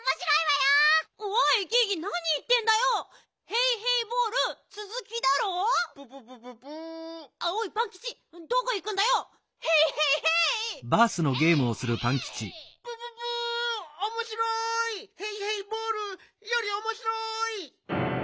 へいへいボールよりおもしろい！